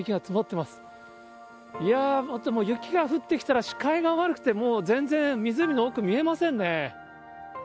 いやー、でも雪が降ってきたら、視界が悪くて、もう全然、湖の奥、見えませんね。